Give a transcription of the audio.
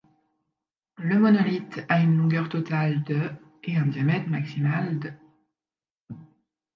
Le monolithe a une longueur totale de et un diamètre maximale d'.